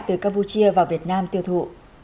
từ campuchia vào việt nam tiêu thụ